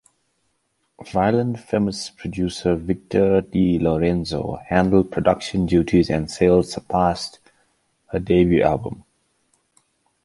Violent Femmes producer Victor DeLorenzo handled production duties and sales surpassed her debut album.